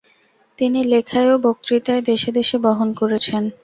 তিনি লেখায় ও বক্তৃতায় দেশে দেশে বহন করেছেন।